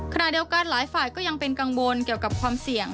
ขณะเดียวกันหลายฝ่ายก็ยังเป็นกังวลเกี่ยวกับความเสี่ยง